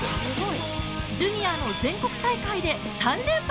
ジュニアの全国大会で３連覇。